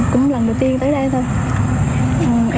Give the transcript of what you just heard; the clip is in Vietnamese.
cũng lần đầu tiên tới đây